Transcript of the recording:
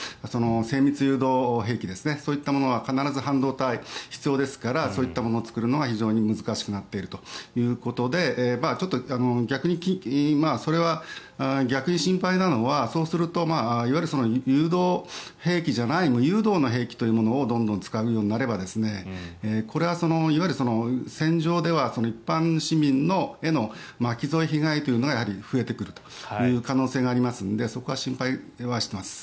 精密誘導兵器そういったものは必ず半導体が必要ですからそういったものを作るのが非常に難しくなっているということでそれは逆に心配なのはそうするといわゆる誘導兵器じゃない無誘導の兵器というのをどんどん使うようになればこれはいわゆる戦場では一般市民への巻き添え被害というのが増えてくるという可能性がありますのでそこは心配しています。